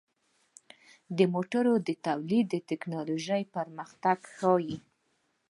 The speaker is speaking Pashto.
د موټرو تولید د ټکنالوژۍ پرمختګ ښيي.